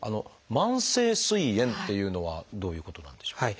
慢性すい炎っていうのはどういうことなんでしょう？